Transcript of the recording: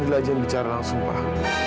dan yang ketahuinya kamu sendiri pak